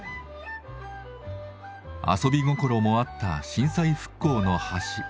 遊び心もあった震災復興の橋。